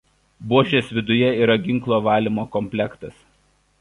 Buožės viduje yra ginklo valymo komplektas.